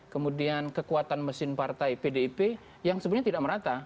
kemudian kekuatan mesin partai pdip yang sebenarnya tidak merata